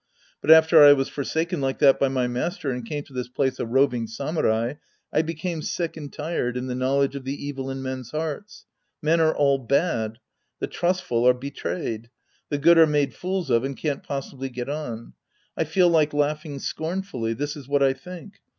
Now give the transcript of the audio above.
But after I was forsaken like that by my master and came to this place a roving samurai, I became sick and tired "in the knowledge of the evil in men's hearts. Men are all bad. The trustful are betrayed. The good are made fools of and can't possibly get on. I feel like laughing scornfully. This is what I think.